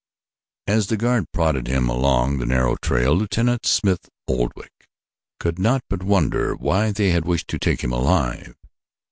As the guard prodded him along the narrow trail, Lieutenant Smith Oldwick could not but wonder why they had wished to take him alive.